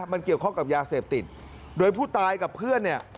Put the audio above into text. มันเกี่ยวข้องกับยาเสพติดโดยผู้ตายกับเพื่อนเนี่ย